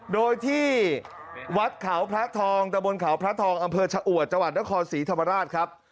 โดยที่วัดเขาพระทองตะบนเขาพระทองอำเภอชะอวดจังหวัดนครศรีธรรมราชครับ